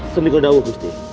semoga berjaya gusti